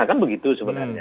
kan begitu sebenarnya